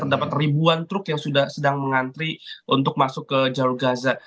terdapat ribuan truk yang sudah sedang mengantri untuk masuk ke jalur gaza